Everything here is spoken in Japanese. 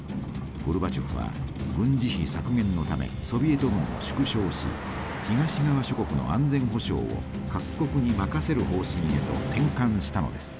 ゴルバチョフは軍事費削減のためソビエト軍を縮小し東側諸国の安全保障を各国に任せる方針へと転換したのです。